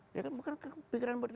dia kan bukan pikiran buat itu